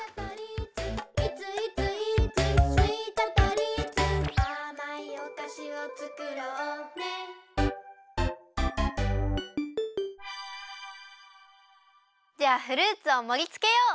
「いついついーつスウィート・トリーツ」「あまいおかしを作ろうね？」じゃあフルーツをもりつけよう！